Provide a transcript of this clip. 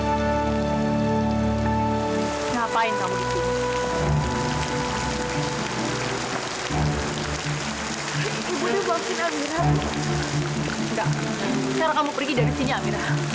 enggak cara kamu pergi dari sini amira